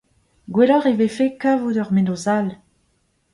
Gwelloc'h e vefe kavout ur mennozh all.